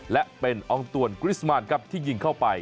และเป็นอองตวนกริสมานครับที่ยิงเข้าไป